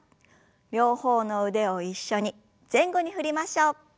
両方の腕を一緒に前後に振りましょう。